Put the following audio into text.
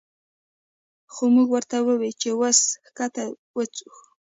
خو مونږ ورته ووې چې وس ښکته وڅښو